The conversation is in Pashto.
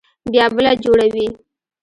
بيا بله جوړوي.